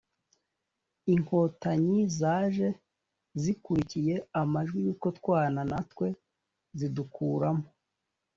inkotanyi zaje zikurikiye amajwi y’utwo twana natwe zidukuramo